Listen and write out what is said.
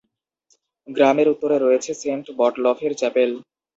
গ্রামের উত্তরে রয়েছে সেন্ট বটলফের চ্যাপেল।